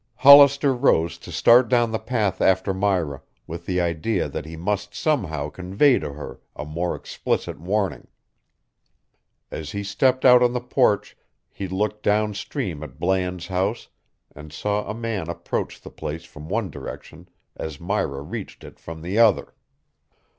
Hollister rose to start down the path after Myra with the idea that he must somehow convey to her a more explicit warning. As he stepped out on the porch, he looked downstream at Bland's house and saw a man approach the place from one direction as Myra reached it from the other.